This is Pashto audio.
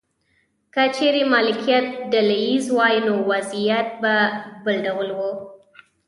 که چیرې مالکیت ډله ایز وای نو وضعیت به بل ډول و.